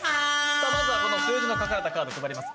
まずはこの数字の書かれたカードを配ります。